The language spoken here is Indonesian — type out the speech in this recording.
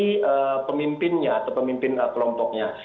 dari pemimpinnya atau pemimpin kelompoknya